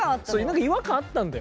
何か違和感あったんだよ。